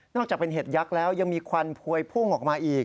จากเป็นเห็ดยักษ์แล้วยังมีควันพวยพุ่งออกมาอีก